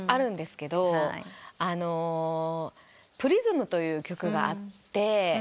『プリズム』という曲があって。